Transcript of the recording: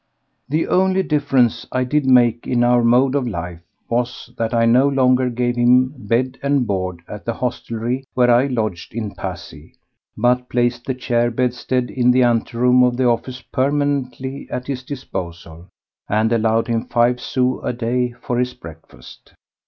The only difference I did make in our mode of life was that I no longer gave him bed and board at the hostelry where I lodged in Passy, but placed the chair bedstead in the anteroom of the office permanently at his disposal, and allowed him five sous a day for his breakfast.